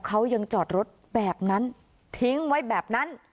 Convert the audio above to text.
เขายังจอดรถแบบนั้นทิ้งไว้แบบนั้น